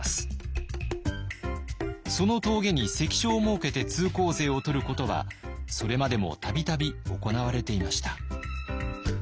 その峠に関所を設けて通行税を取ることはそれまでも度々行われていました。